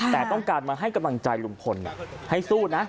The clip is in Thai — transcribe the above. แต่ต้องการมาให้กำลังใจลุงพลให้สู้นะ